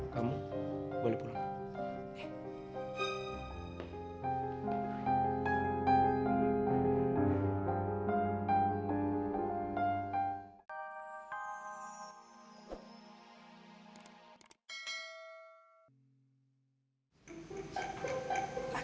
kamu boleh pulang